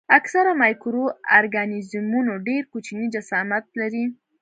اکثره مایکرو ارګانیزمونه ډېر کوچني جسامت لري.